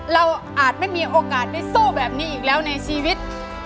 อาจไม่มีโอกาสได้สู้แบบนี้อีกแล้วในชีวิต